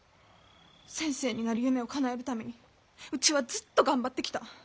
先生になる夢をかなえるためにうちはずっと頑張ってきた。